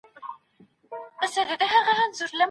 که ميرمني ته ټاکل سوی مهر ورنکړل سي، نو دا غلا ده.